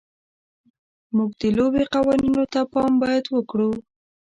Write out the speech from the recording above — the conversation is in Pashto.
موږ د لوبې قوانینو ته باید پام وکړو.